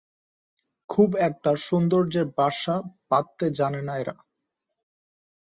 খুব একটা সৌন্দর্যের বাসা বাঁধতে জানে না এরা।